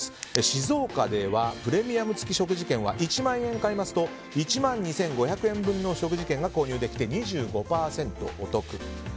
静岡ではプレミアム付食事券は１万円買いますと１万２５００円の食事券が購入できて２５％お得と。